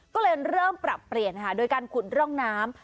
ก็เลยเริ่มปรับเปลี่ยนค่ะโดยการขุดร่องน้ำ